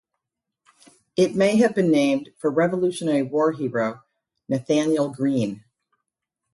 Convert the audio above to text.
It may have been named for Revolutionary War hero Nathanael Greene.